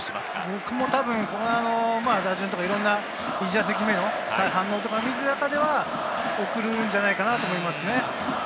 僕も打順とか１打席目の反応を見た中では送るんじゃないかなと思いますね。